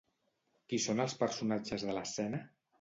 Qui són els personatges de l'escena?